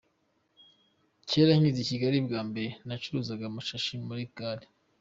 Kera nkiza i Kigali bwa mbere nacuruzaga amashashi muri gare.